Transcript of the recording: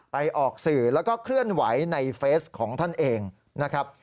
ออกสื่อแล้วก็เคลื่อนไหวในเฟสของท่านเองนะครับ